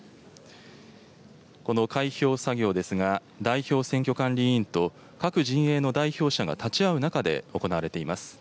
この開票作業ですが、代表選挙管理委員と各陣営の代表者が立ち会う中で行われています。